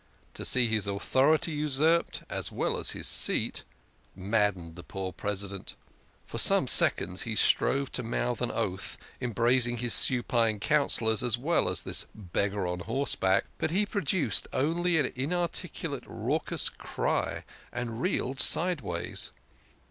To see his authority usurped as well as his seat maddened the poor President. For some seconds he strove to mouth an oath, embracing his supine Councillors as well as this beggar on horseback, but he pro duced only an inarticulate raucous cry, and reeled sideways.